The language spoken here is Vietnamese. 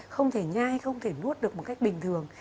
không thể nhai không thể nuốt được một cách bình thường